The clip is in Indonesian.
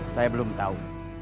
saya belum tahu